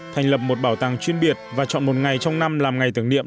thành lập một bảo tàng chuyên biệt và chọn một ngày trong năm làm ngày tưởng niệm